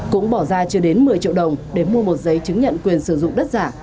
cũng bỏ ra chưa đến một mươi triệu đồng để mua một giấy chứng nhận quyền sử dụng đất giả